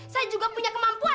saya juga punya kemampuan